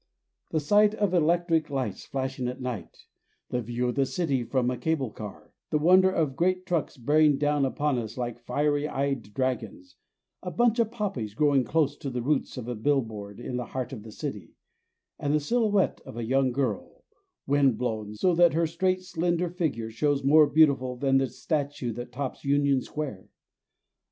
The sight of electric lights flashing at night, the view of the city from a cable car, the wonder of great trucks bearing down upon us like fiery eyed dragons, a bunch of poppies growing close to the roots of a billboard in the heart of the city, and the silhouette of a young girl, wind blown, so that her straight slender figure shows more beautiful than the statue that tops Union Square.